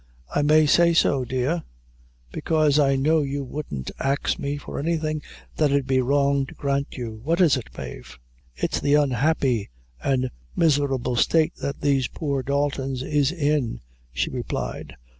"I may say so, dear; because I know you wouldn't ax me for anything that 'ud be wrong to grant you. What is it, Mave?" "It's the unhappy an' miserable state that these poor Daltons is in," she replied.